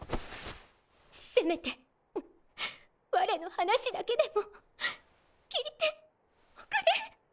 せめて我の話だけでも聞いておくれ。